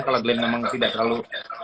kalau glenn memang tidak terlalu